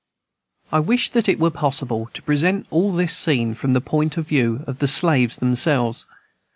I wish that it were possible to present all this scene from the point of view of the slaves themselves.